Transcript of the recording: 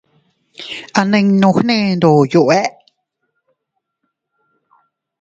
A ninnu gne ndoyo ee.